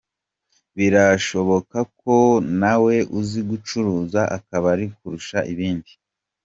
Birashoboka ko nawe uzi gucuruza akabari kurusha ibindi.